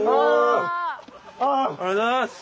ありがとうございます。